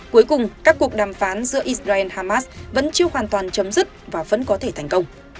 cuối cùng các cuộc đàm phán giữa israel hamas vẫn chưa hoàn toàn chấm dứt và vẫn có thể thành công